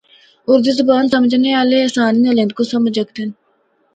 اُردو زبان سمجھنڑا آلے آسانی نال ہندکو سمجھ ہکدے نے۔